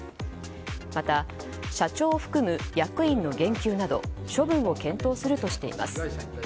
また社長を含む役員の減給など処分を検討するとしています。